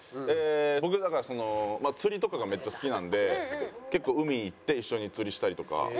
僕だからその釣りとかがめっちゃ好きなので結構海行って一緒に釣りしたりとか。